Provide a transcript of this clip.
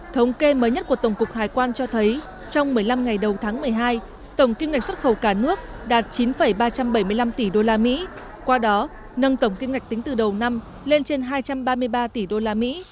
thống kê mới nhất của tổng cục hải quan cho thấy trong một mươi năm ngày đầu tháng một mươi hai tổng kim ngạch xuất khẩu cả nước đạt chín ba trăm bảy mươi năm tỷ usd qua đó nâng tổng kim ngạch tính từ đầu năm lên trên hai trăm ba mươi ba tỷ usd